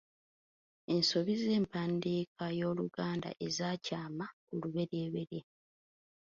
Ensobi z'empandiika y'Oluganda ezakyama olubereberye.